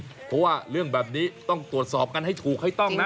เพราะว่าเรื่องแบบนี้ต้องตรวจสอบกันให้ถูกให้ต้องนะ